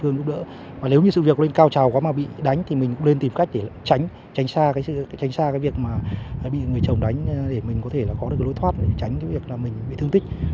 nếu như sự việc lên cao trào quá mà bị đánh thì mình cũng nên tìm cách để tránh xa việc bị người chồng đánh để mình có thể có được lối thoát tránh việc mình bị thương tích